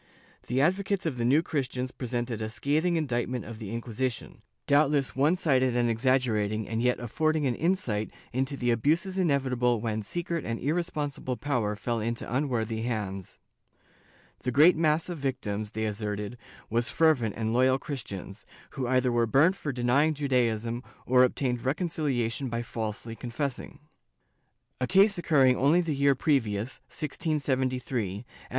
The advocates of the New Christians presented a scathing indictment of the Inquisition, doubtless one sided and exaggerated and yet affording an insight into the abuses inevitable when secret and irresponsible power fell into unworthy hands. The great mass of victims, they asserted, were fervent and loyal Christians, who either were burnt for denying Judaism or obtained reconciliation by falsely confessing. A case occurring only the year previous, 1673, at Evora, was that of two ^ Bibl.